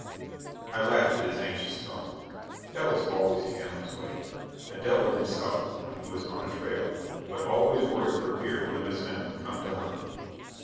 I laughed at his anxious tone. That was always Hanley's way. A devil himself, when he was on a trail, but always worried for fear one of his men would come to harm.